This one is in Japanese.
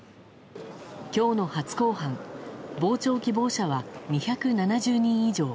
今日の初公判傍聴希望者は２７０人以上。